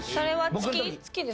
月ですか？